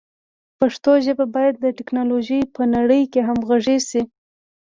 پښتو ژبه باید د ټکنالوژۍ په نړۍ کې همغږي شي.